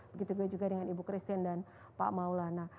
begitu juga dengan ibu christine dan pak maulana